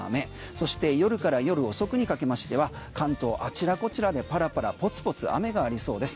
そして夜から夜遅くにかけましては関東あちらこちらでパラパラ、ポツポツ雨がありそうです。